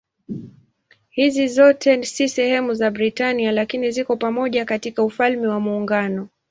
Hizi zote si sehemu ya Britania lakini ziko pamoja katika Ufalme wa Muungano.